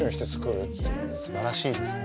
すばらしいですね。